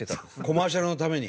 コマーシャルのために？